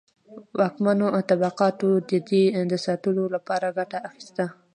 واکمنو طبقاتو د دې د ساتلو لپاره ګټه اخیسته.